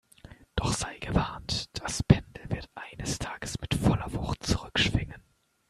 Doch sei gewarnt, das Pendel wird eines Tages mit voller Wucht zurückschwingen